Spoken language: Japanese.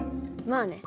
まあね。